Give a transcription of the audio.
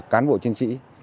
cán bộ chiến sĩ